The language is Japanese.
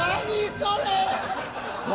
それ。